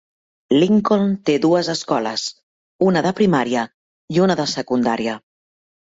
Lincoln té dues escoles, una de primària i una de secundària.